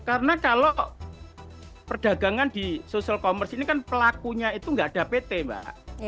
karena kalau perdagangan di social commerce ini kan pelakunya itu enggak ada pt mbak